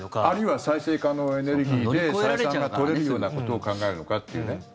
あるいは再生可能エネルギーで採算が取れるようなことを考えるのかっていうね。